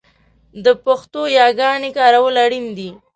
د پښتو یاګانې کارول اړین دي